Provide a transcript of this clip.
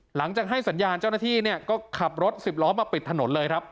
หลังจากให้สัญญาณเจ้าหน้าที่เนี่ยก็ขับรถสิบล้อมาปิดถนนเลยครับ